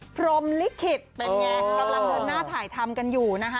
พรมลิขิตเป็นอย่างไรครับเรากำลังเพิ่มหน้าถ่ายทำกันอยู่นะฮะ